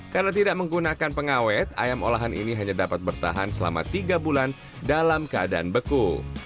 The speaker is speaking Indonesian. karena tidak menggunakan pengawet ayam olahan ini hanya dapat bertahan selama tiga bulan dalam keadaan beku